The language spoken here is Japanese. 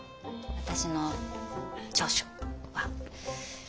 私の長所は。